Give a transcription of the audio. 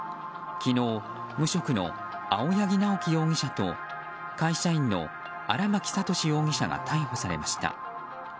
昨日、無職の青柳直樹容疑者と会社員の荒巻悟志容疑者が逮捕されました。